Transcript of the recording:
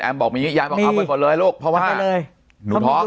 แอ้มบอกมีอย่างงี้อย่างงี้เอาไปเลยเอาไปเลยเพราะว่าหนูท้อง